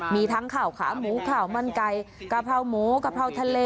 มีทั้งข่าวขาหมูข่าวมันไก่กะเพราหมูกะเพราทะเล